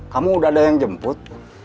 kamu udah ada yang jemput